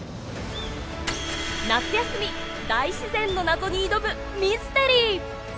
夏休み大自然の謎に挑むミステリー。